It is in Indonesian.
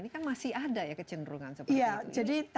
ini kan masih ada ya kecenderungan seperti itu